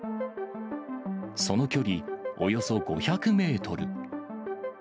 その距離およそ５００メートル。